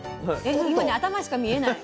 今ね頭しか見えない。